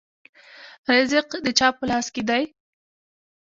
رزق د چا په لاس کې دی؟